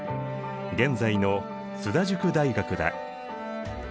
現在の津田塾大学だ。